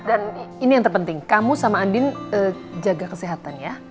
dan ini yang terpenting kamu sama andi jaga kesehatan ya